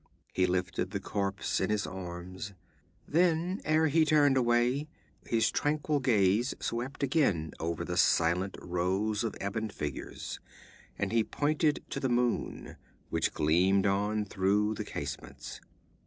He lifted the corpse in his arms; then ere he turned away, his tranquil gaze swept again over the silent rows of ebony figures, and he pointed to the moon, which gleamed in through the casements.